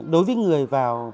đối với người vào